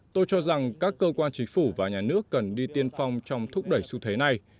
tôi cho rằng các cơ quan chính phủ và nhà nước cần đi tiên phong trong thúc đẩy xu thế này